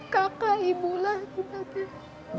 kakak ibulah ibadah